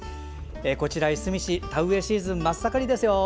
こちら、いすみ市田植えシーズン真っ盛りですよ。